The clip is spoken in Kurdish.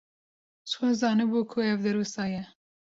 Jixwe zanibû ku ev der wisa ye.